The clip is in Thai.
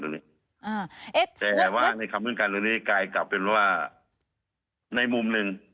อยู่นี่อ่าแต่ว่าในคำงิฝรรณ์ตรงนี้กลายกลับเป็นว่าในมุม